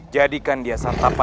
jadikan dia santapan